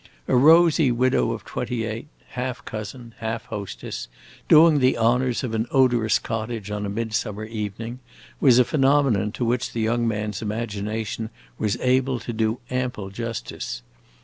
A rosy widow of twenty eight, half cousin, half hostess, doing the honors of an odorous cottage on a midsummer evening, was a phenomenon to which the young man's imagination was able to do ample justice.